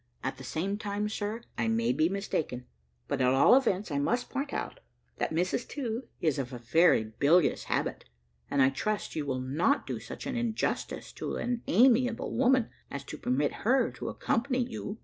At the same time, sir, I may be mistaken; but at all events, I must point out that Mrs To is of a very bilious habit, and I trust you will not do such an injustice to an amiable women, as to permit her to accompany you."